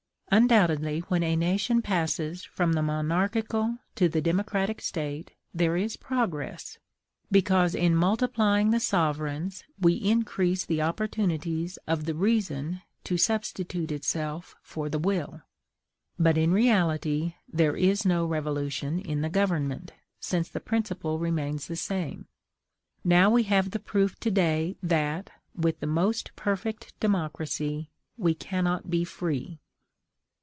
Undoubtedly, when a nation passes from the monarchical to the democratic state, there is progress, because in multiplying the sovereigns we increase the opportunities of the reason to substitute itself for the will; but in reality there is no revolution in the government, since the principle remains the same. Now, we have the proof to day that, with the most perfect democracy, we cannot be free.